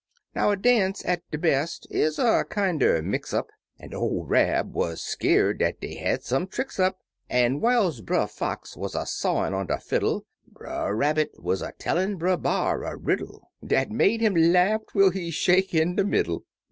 Now a dance at de best is a kinder mix up. An' ol' Rab wuz slteer'd dat dey had some tricks up, An' whiles Brer Fox wuz a sawin' on de fiddle Brer Rabbit wuz a tellin' Brer B'ar a riddle Dat make 'im laugh twel he shake in de middle.